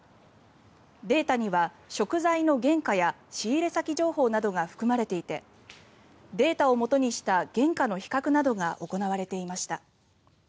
データには食材の原価や仕入れ先情報などが含まれていてデータをもとにした原価の比較などが行われていました。